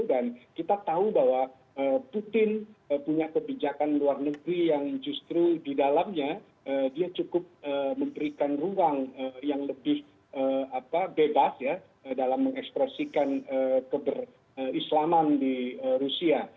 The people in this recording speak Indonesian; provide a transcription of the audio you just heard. dan kita tahu bahwa putin punya kebijakan luar negeri yang justru di dalamnya dia cukup memberikan ruang yang lebih bebas dalam mengekspresikan keberislaman di rusia